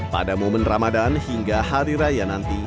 pada momen ramadan hingga hari raya nanti